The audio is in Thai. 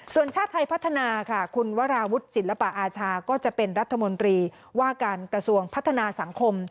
ส่วนชาติไทยพัฒนาค่ะคุณวราวุฒิศิลปะอาชาก็จะเป็นรัฐมนตรีว่าการกระทรวงพัฒนาสังคม